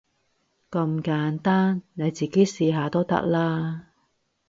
咁簡單，你自己試下都得啦